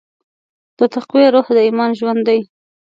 د تقوی روح د ایمان ژوند دی.